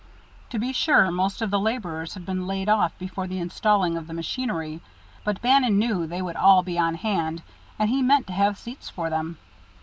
To be sure most of the laborers had been laid off before the installing of the machinery, but Bannon knew that they would all be on hand, and he meant to have seats for them.